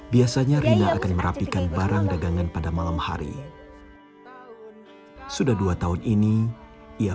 biasanya rina akan merapikan barang dagangan pada malam hari sudah dua tahun ini ia